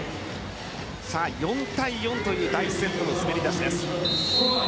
４対４という第１戦の滑り出しです。